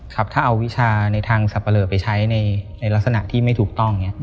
ครับถ้าเอาวิชาในทางสับปะเลอไปใช้ในลักษณะที่ไม่ถูกต้อง